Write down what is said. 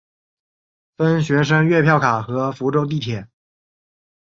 分学生月票卡和福州地铁。